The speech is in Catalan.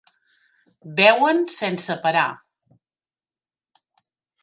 Beuen sense parar.